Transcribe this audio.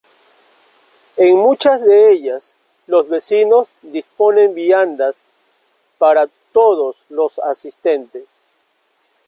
En muchas de ellas, los vecinos disponen viandas para todos los asistentes.